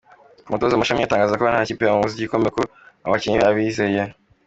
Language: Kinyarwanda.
Ku mutoza Mashami, atangaza ko nta kipe yamubuza igikombe kuko ngo abakinnyi be abizeye.